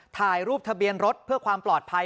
ถ่ายรูปทะเบียนรถเพื่อความปลอดภัย